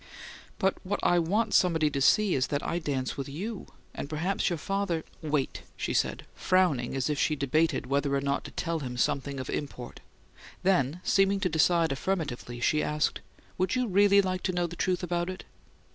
"But what I want somebody to see is that I dance with you! And perhaps your father " "Wait!" she said, frowning as if she debated whether or not to tell him something of import; then, seeming to decide affirmatively, she asked: "Would you really like to know the truth about it?"